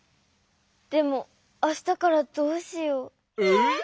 でもあしたからどうしよう。え？